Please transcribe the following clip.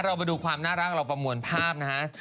เรามาดูความน่ารักเราประมวลภาพนะฮะ